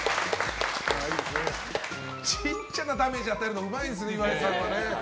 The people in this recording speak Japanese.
ちっちゃなダメージ与えるのうまいですね、岩井さんは。